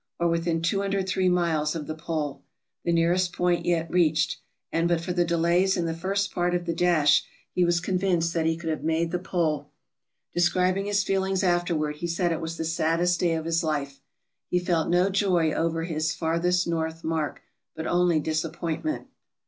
or within 203 miles of the pole, the nearest point yet reached; and but for the delays in the first part of the dash he was convinced that he could have made the pole. Describing his feelings afterward, he said it was the saddest day of his life. He felt no joy over his " farthest north" mark, but only disappointment.